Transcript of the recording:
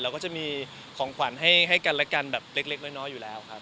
ก็จะมีของขวัญให้กันและกันแบบเล็กน้อยอยู่แล้วครับ